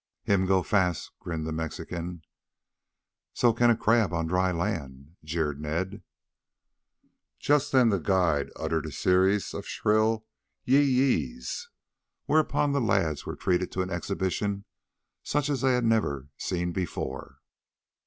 "Him go fast," grinned the Mexican. "So can a crab on dry land," jeered Ned. Just then the guide utter a series of shrill "yi yi's," whereupon the lads were treated to an exhibition such as they never had seen before.